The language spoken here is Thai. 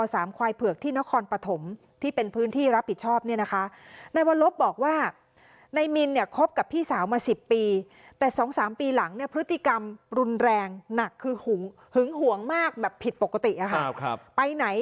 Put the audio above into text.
สอภัวด์สามควายเพือกที่นครปฐมที่เป็นพื้นที่รับผิดชอบเนี่ยนะคะ